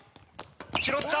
拾った！